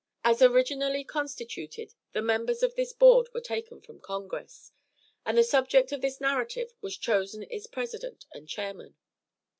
As originally constituted, the members of this board were taken from Congress, and the subject of this narrative was chosen its president or chairman.